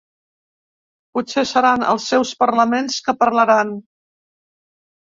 Potser seran els seus parlaments que parlaran.